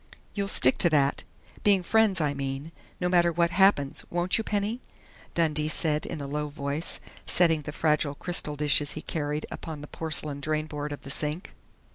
"You'll stick to that being friends, I mean, no matter what happens, won't you, Penny?" Dundee said in a low voice, setting the fragile crystal dishes he carried upon the porcelain drainboard of the sink.